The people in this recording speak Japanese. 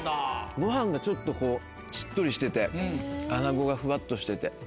ご飯がちょっとこうしっとりしてて穴子がフワっとしてて。